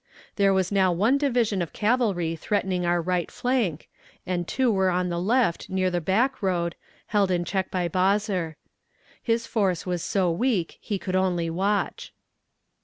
There was now one division of cavalry threatening our right flank, and two were on the left near the Back road, held in check by Bosser. His force was so weak he could only watch.